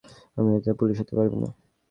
রাগান্বিত হলে পুলিশ হতে পারবি না।